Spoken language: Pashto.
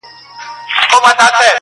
د ژوند دوران ته دي کتلي گراني .